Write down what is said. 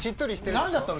何だったの？